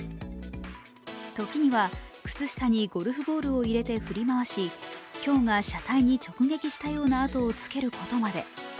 時には靴下にゴルフボールを入れて振り回しひょうが車体に直撃したような跡をつけることまで。